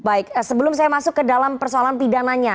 baik sebelum saya masuk ke dalam persoalan pidananya